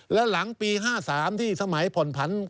แล้วหลังปี๕๓ที่สมัยผ่อนผัน